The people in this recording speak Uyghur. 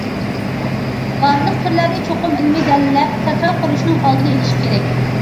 بارلىق تۈرلەرنى چوقۇم ئىلمىي دەلىللەپ، تەكرار قۇرۇشنىڭ ئالدىنى ئېلىش كېرەك.